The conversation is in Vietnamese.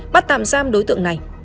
bắt tạm giam đối tượng này